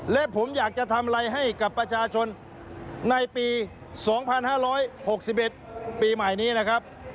และผมอยากจะทำอะไรให้กับประชาชนในปี๒๕๖๑ปีใหม่นี้นะครับ